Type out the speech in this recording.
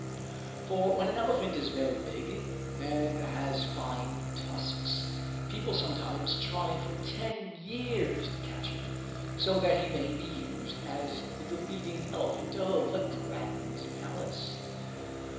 For when an elephant is very big and has fine tusks, people sometimes try for ten years to catch him, so that he may be used as the leading elephant of a grand palace.